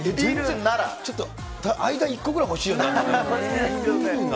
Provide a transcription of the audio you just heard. ちょっと、間に一個ぐらい欲しいよな。